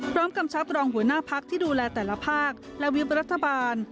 กำชับรองหัวหน้าพักที่ดูแลแต่ละภาคและวิบรัฐบาล